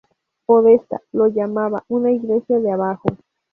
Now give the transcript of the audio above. Podestá lo llamaba "una Iglesia de abajo".